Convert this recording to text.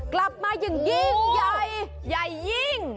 กลับมาอย่างยิ่งใหญ่ใหญ่ยิ่ง